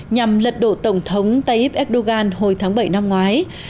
nhằm lật đổ tổng thống tayyip erdogan hồi tháng bảy năm ngoái